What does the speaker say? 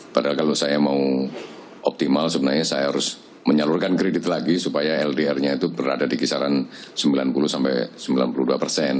padahal kalau saya mau optimal sebenarnya saya harus menyalurkan kredit lagi supaya ldr nya itu berada di kisaran sembilan puluh sampai sembilan puluh dua persen